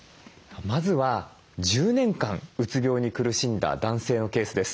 まずは１０年間うつ病に苦しんだ男性のケースです。